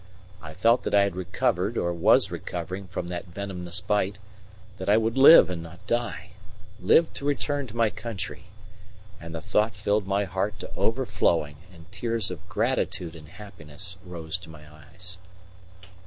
I felt that I had recovered or was recovering from that venomous bite; that I would live and not die live to return to my country; and the thought filled my heart to overflowing, and tears of gratitude and happiness rose to my eyes.